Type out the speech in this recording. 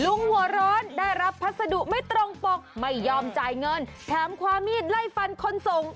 หัวร้อนได้รับพัสดุไม่ตรงปกไม่ยอมจ่ายเงินแถมความมีดไล่ฟันคนส่ง